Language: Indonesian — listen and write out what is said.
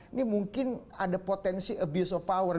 ini mungkin ada potensi abuse of power